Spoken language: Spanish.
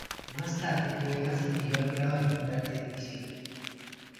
Más tarde fue ascendido al grado de general de división.